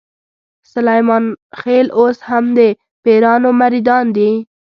سلیمان خېل اوس هم د پیرانو مریدان دي.